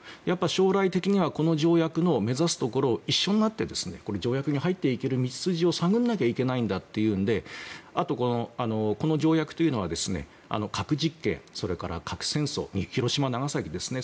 将来的にはこの条約の目指すところ一緒になって条約に入っていける道筋を探らなきゃいけないんだっていうんであと、この条約というのは核実験、それから核戦争広島、長崎ですね。